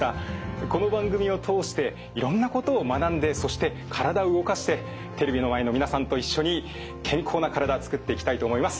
この番組を通していろんなことを学んでそして体を動かしてテレビの前の皆さんと一緒に健康な体つくっていきたいと思います。